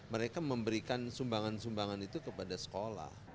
mereka memberikan sumbangan sumbangan itu kepada sekolah